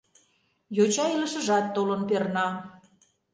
Йоча илышыжат толын перна...